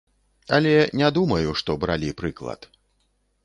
Але не думаю, што бралі прыклад.